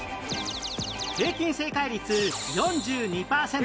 平均正解率４２パーセント